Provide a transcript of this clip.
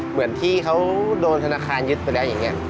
เหมือนที่เขาโดนธนาคารยึดไปแล้วอย่างนี้